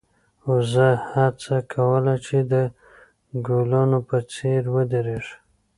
وزه هڅه کوله چې د ګلانو په څېر ودرېږي.